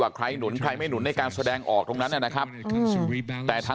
ใครหนุนใครไม่หนุนในการแสดงออกตรงนั้นนะครับแต่ถ้า